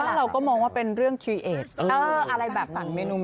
บ้านเราก็มองว่าเป็นเรื่องคลีเอสอะไรแบบนั้น